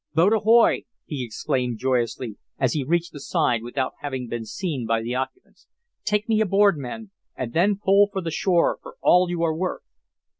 "Boat ahoy!" he exclaimed joyously, as he reached the side without having been seen by the occupants. "Take me aboard, men, and then pull for the shore for all you are worth."